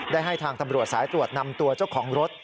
ได้ให้ทางตำรวจสายตรวจนำตัวเจ้าของรถ